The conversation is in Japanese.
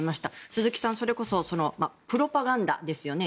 鈴木さん、それこそプロパガンダですよね。